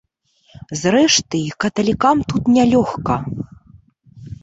Зрэшты, і каталікам тут не лёгка.